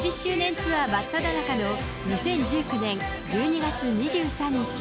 ツアー真っただ中の２０１９年１２月２３日。